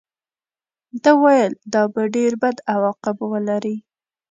ده ویل دا به ډېر بد عواقب ولري.